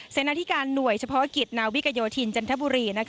นาธิการหน่วยเฉพาะกิจนาวิกโยธินจันทบุรี